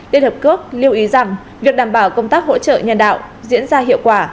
liên hợp quốc lưu ý rằng việc đảm bảo công tác hỗ trợ nhân đạo diễn ra hiệu quả